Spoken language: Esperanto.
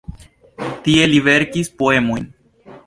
Tie li verkis poemojn.